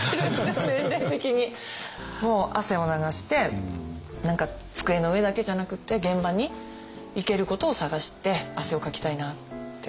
もう汗を流して何か机の上だけじゃなくって現場に行けることを探して汗をかきたいなって思ってます。